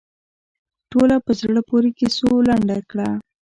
ټوله په زړه پورې کیسو لنډه کړه.